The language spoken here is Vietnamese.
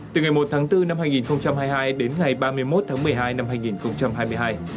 từ ngày một tháng bốn năm hai nghìn hai mươi hai đến ngày ba mươi một tháng một mươi hai năm hai nghìn hai mươi hai